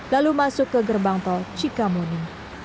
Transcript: lalu masuk ke gerbang tol cikamuni